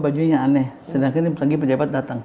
bajunya aneh sedangkan lagi pejabat datang